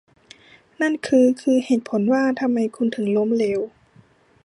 นั่นคือคือเหตุผลว่าทำไมคุณถึงล้มเหลว